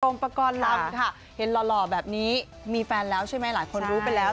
ประกอบลำค่ะเห็นหล่อแบบนี้มีแฟนแล้วใช่ไหมหลายคนรู้ไปแล้ว